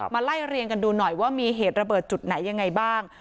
ไล่เรียงกันดูหน่อยว่ามีเหตุระเบิดจุดไหนยังไงบ้าง